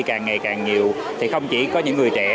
càng ngày càng nhiều thì không chỉ có những người trẻ